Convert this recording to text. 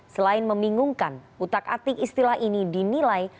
selain membingungkan utak atik istilah ini dinilai